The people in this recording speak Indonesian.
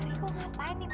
emang gak enzir